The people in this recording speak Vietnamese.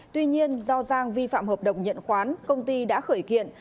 tuy nhiên do giang vi phạm hợp đồng nhận khoán công ty đã khởi kiện